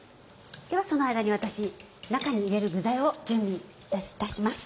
ではその間に私中に入れる具材を準備いたします。